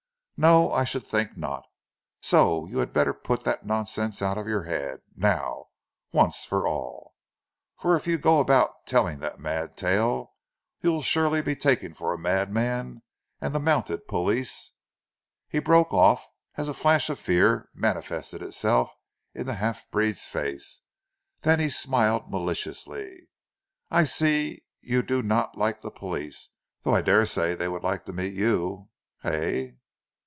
"No, I should think not; so you had better put that nonsense out of your head, now, once for all; for if you go about telling that mad tale you'll surely be taken for a madman and the mounted police " He broke off as a flash of fear manifested itself in the half breed's face, then he smiled maliciously. "I see you do not like the police, though I daresay they would like to meet you, hey?"